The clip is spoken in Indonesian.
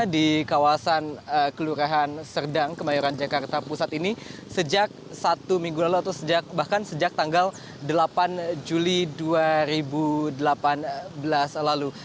di kawasan kelurahan serdang kemayoran jakarta pusat ini sejak satu minggu lalu atau bahkan sejak tanggal delapan juli dua ribu delapan belas lalu